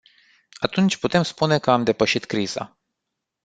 Atunci putem spune că am depășit criza.